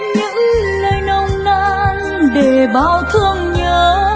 những lời nồng năng để bao thương nhớ